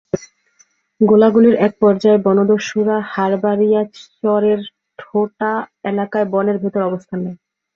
গোলাগুলির একপর্যায়ে বনদস্যুরা হারবারিয়া চরের ঠোটা এলাকায় বনের ভেতরে অবস্থান নেয়।